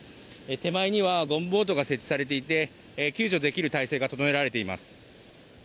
手前にはゴムボートが設置されていて救助できる態勢が整えられています。